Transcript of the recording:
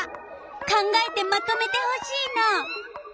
考えてまとめてほしいの。